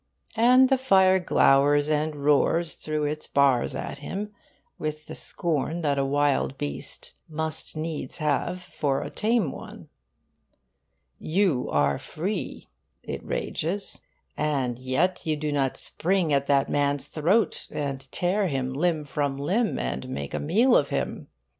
And the fire glowers and roars through its bars at him with the scorn that a wild beast must needs have for a tame one. 'You are free,' it rages, 'and yet you do not spring at that man's throat and tear him limb from limb and make a meal of him!